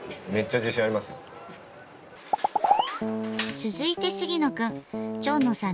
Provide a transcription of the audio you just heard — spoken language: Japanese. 続いて杉野くん。